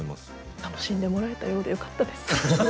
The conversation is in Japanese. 楽しんでもらえたようでよかったです。